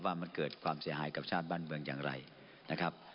ว่ามันเกิดความเสียหายกับชาติบ้านเมืองอย่างไรนะครับ